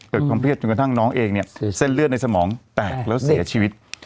ความเครียดจนกระทั่งน้องเองเนี่ยเส้นเลือดในสมองแตกแล้วเสียชีวิต